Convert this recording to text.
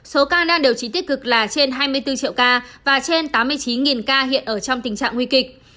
số ca đang điều trị tích cực là trên hai mươi bốn triệu ca và trên tám mươi chín ca hiện ở trong tình trạng nguy kịch